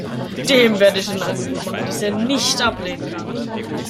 Dem werde ich ein Angebot machen, das er nicht ablehnen kann.